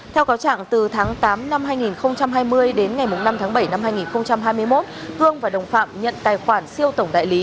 theo cáo trạng từ tháng tám năm hai nghìn hai mươi đến ngày năm tháng bảy năm hai nghìn hai mươi một gương và đồng phạm nhận tài khoản siêu tổng đại lý